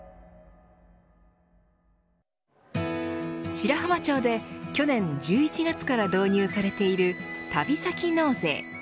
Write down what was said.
白浜町で去年１１月から導入されている旅先納税。